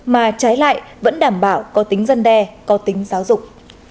mà trái lại vẫn đảm bảo có tính dân đe có tính giáo dục